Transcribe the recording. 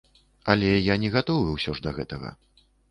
Але я не гатовы ўсё ж да гэтага.